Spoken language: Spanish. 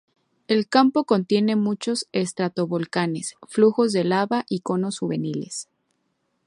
El campo contiene muchos estratovolcanes, flujos de lava y conos juveniles.